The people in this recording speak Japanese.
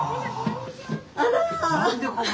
あら。